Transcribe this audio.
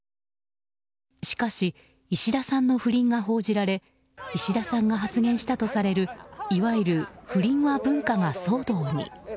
しかし石田さんの不倫が報じられ石田さんが発言したとされるいわゆる不倫は文化が騒動に。